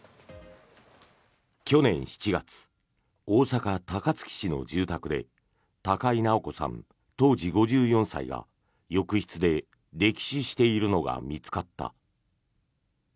去年７月大阪・高槻市の住宅で高井直子さん、当時５４歳が浴室で溺死しているのが見つかった。